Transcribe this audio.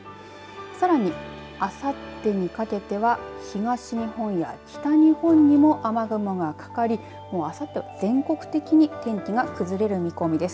さらにあさってにかけては東日本や北日本にも雨雲がかかりあさっては全国的に天気が崩れる見込みです。